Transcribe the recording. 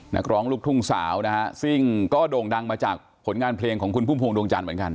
นักร้องลูกทุ่งสาวนะฮะซึ่งก็โด่งดังมาจากผลงานเพลงของคุณพุ่มพวงดวงจันทร์เหมือนกัน